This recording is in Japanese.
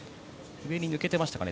上に抜けていましたかね。